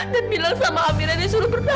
dan bilang sama amira dia suruh berdahan